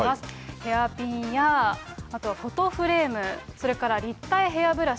ヘアピンや、あとフォトフレーム、それから立体ヘアブラシ。